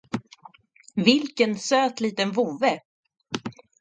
Vilken liten söt vovve!